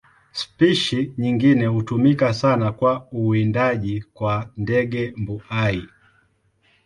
Spishi nyingine hutumika sana kwa uwindaji kwa ndege mbuai.